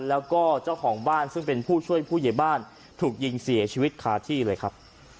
แล้วก็เจ้าของบ้านซึ่งเป็นผู้ช่วยผู้ใหญ่บ้านถูกยิงเสียชีวิตคาที่เลยครับ